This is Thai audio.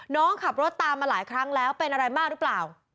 น้องขับรถตามมาหลายครั้งแล้วเป็นอะไรมากหรือเปล่า